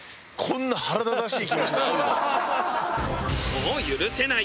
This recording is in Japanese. もう許せない！